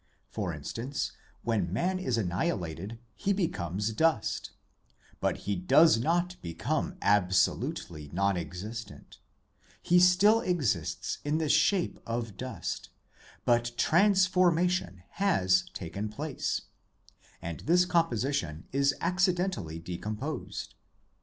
For instance, when man is annihilated he becomes dust, but he does not become absolutely non existent ; he still exists in the shape of dust ; but trans formation has taken place, and this composition is accidentally decomposed.